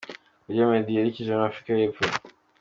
Kagere Meddy yerekeje muri Afurika y’Epfo.